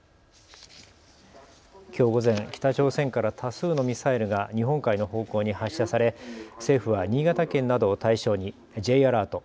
きょう午前、北朝鮮から多数のミサイルが日本海の方向に発射され政府は新潟県などを対象にＪアラート